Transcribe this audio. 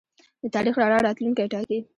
د تاریخ رڼا راتلونکی ټاکي.